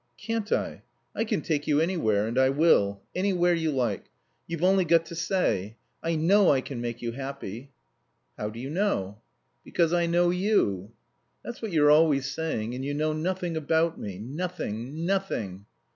"Can't I? I can take you anywhere. And I will. Anywhere you like. You've only got to say. I know I can make you happy." "How do you know?" "Because I know you." "That's what you're always saying. And you know nothing about me. Nothing. Nothing."